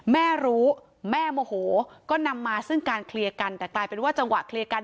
แม่รู้แม่โมโหก็นำมาซึ่งการเคลียร์กันแต่กลายเป็นว่าจังหวะเคลียร์กัน